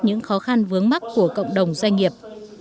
những khó khăn vướng mắt của cộng đồng doanh nghiệp